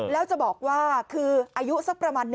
แล้วจะบอกว่าคืออายุสักประมาณ